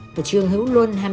và trương hữu luân